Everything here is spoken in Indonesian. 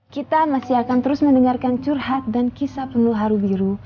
kita masih akan terus mendengarkan curhat dan kisah penuh haru biru